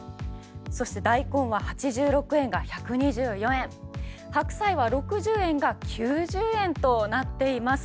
そして、大根は８６円が１２４円ハクサイは６０円が９０円となっています。